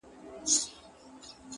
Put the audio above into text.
نن چي د عقل په ويښتو کي څوک وهي لاسونه’